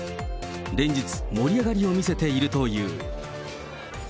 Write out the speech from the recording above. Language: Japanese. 連日、盛り上がりを見せているという。